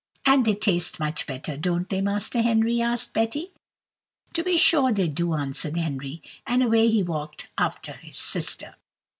"And they taste much better, don't they, Master Henry?" asked Betty. "To be sure they do," answered Henry, and away he walked after his sister.